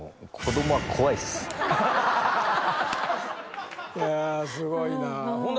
いやすごいなぁ。